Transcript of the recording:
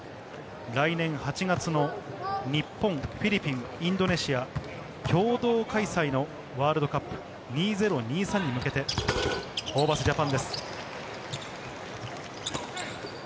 来年８月の日本、フィリピン、インドネシア、共同開催のワールドカップ２０２３に向けて、ホーバスＪＡＰＡＮです。